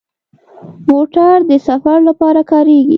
موټر د سفر لپاره کارېږي.